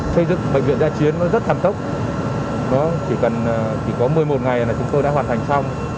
thế giới bệnh viện giải chiến rất tham tốc chỉ có một mươi một ngày là chúng tôi đã hoàn thành xong